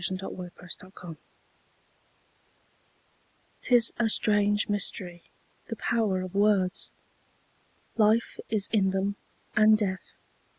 The Power of Words 'TIS a strange mystery, the power of words! Life is in them, and death.